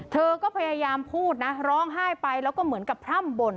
เธอก็พยายามพูดนะร้องไห้ไปแล้วก็เหมือนกับพร่ำบ่น